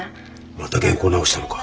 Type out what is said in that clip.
また原稿直したのか。